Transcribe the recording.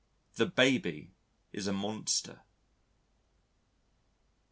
The Baby is a monster.